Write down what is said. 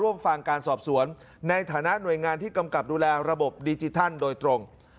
ร่วมฟังการสอบสวนในฐานะหน่วยงานที่กำกับดูแลระบบดิจิทัลโดยตรง